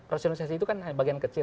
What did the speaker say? rasionalisasi itu kan bagian kecil